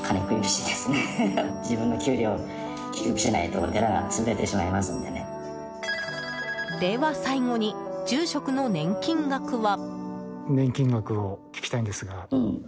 では最後に住職の年金額は。